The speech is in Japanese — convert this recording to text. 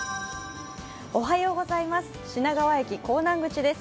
品川駅港南口です。